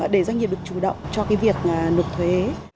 để doanh nghiệp được chủ động cho cái việc nộp thuế